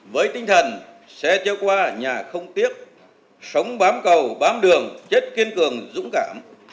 với tinh thần xe cho qua nhà không tiếc sống bám cầu bám đường chết kiên cường dũng cảm